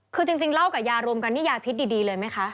คือจริงเหล้ากับยารวมกันนี่ยาพิษดีเลยไหมคะ